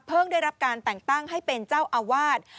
ได้รับการแต่งตั้งให้เป็นเจ้าอาวาส